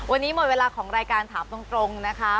วันนี้หมดเวลาของรายการถามตรงนะคะ